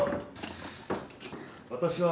私は。